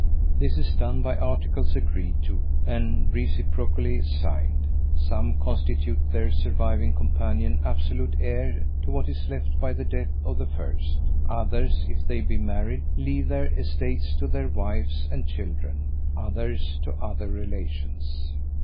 This is done by articles agreed to, and reciprocally signed. Some constitute their surviving companion absolute heir to what is left by the death of the first: others, if they be married, leave their estates to their wives and children; others, to other relations.